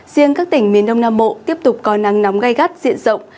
riêng các tỉnh miền đông nam bộ tiếp tục có nắng nóng gai gắt diện rộng